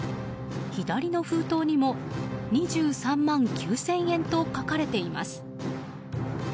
左の封筒にも２３万９０００円と書かれています。